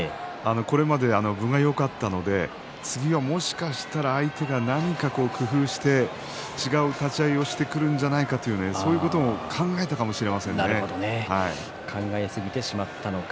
これまで分がよかったので次はもしかしたら相手が何か工夫して違う立ち合いをしてくるんじゃないかというそういうことも考えすぎてしまったのか。